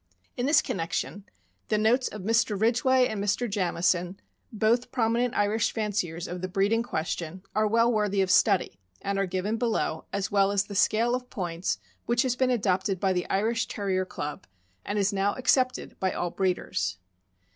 In this connection, the notes of Mr. Ridgway and Mr. Jamison, both prominent Irish fanciers of the breed in question, are well worthy of study, and are given below, as well as the scale of points which has been adopted by the Irish Terrier Club, and is now accepted by all breeders.